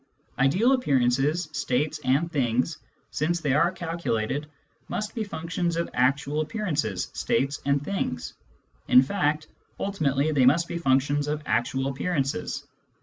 Ideal appearances, states, and things, since they arc calculated, must be functions of actual appearances, states, and things ; in fact, ultimately, they must be functions of actual appearances.